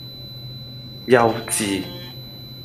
幼稚!